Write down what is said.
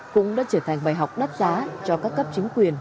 cũng đã trở thành bài học đắt giá cho các cấp chính quyền